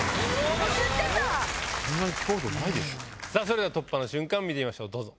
それでは突破の瞬間見てみましょうどうぞ。